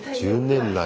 １０年来。